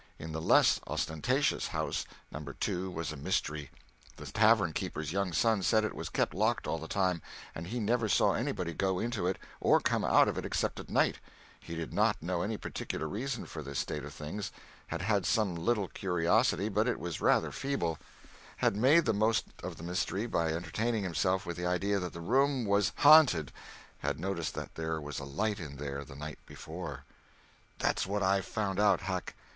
In the less ostentatious house, No. 2 was a mystery. The tavern keeper's young son said it was kept locked all the time, and he never saw anybody go into it or come out of it except at night; he did not know any particular reason for this state of things; had had some little curiosity, but it was rather feeble; had made the most of the mystery by entertaining himself with the idea that that room was "ha'nted"; had noticed that there was a light in there the night before. "That's what I've found out, Huck.